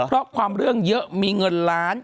เพราะความเรื่องเยอะมีเงินล้าน